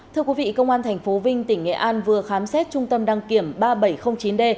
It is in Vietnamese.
thưa quý vị công an tp vinh tỉnh nghệ an vừa khám xét trung tâm đăng kiểm ba nghìn bảy trăm linh chín d